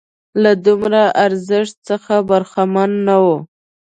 له دومره ارزښت څخه برخمن نه وو.